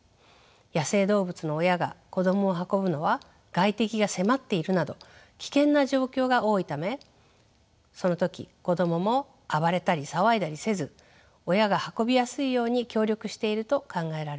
野生動物の親が子供を運ぶのは外敵が迫っているなど危険な状況が多いためその時子供も暴れたり騒いだりせず親が運びやすいように協力していると考えられます。